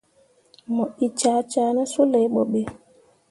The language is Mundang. Mu ee cah cah ne suley boɓe.